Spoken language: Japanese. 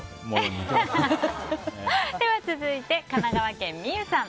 続いて、神奈川県の方。